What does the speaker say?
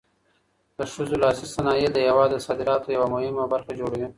د ښځو لاسي صنایع د هېواد د صادراتو یوه مهمه برخه جوړوي